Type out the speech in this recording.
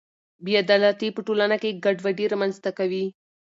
بې عدالتي په ټولنه کې ګډوډي رامنځته کوي.